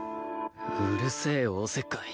うるせえよおせっかい！